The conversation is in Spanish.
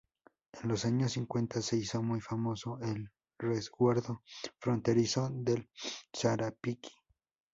En los años cincuenta, se hizo muy famoso el Resguardo Fronterizo del Sarapiquí.